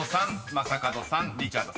正門さんリチャードさん］